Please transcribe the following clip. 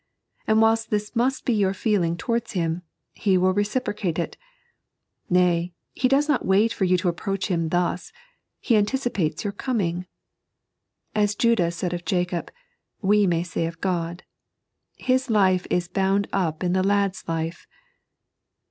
And whilst this must be your feeling towards Him, He will reciprocate it. Nay, He does not wait for you to approach Him thus ; He anticipates your coming. As Jndah said of Jacob, we may say of Ood :" His life is bound up in the lad's life."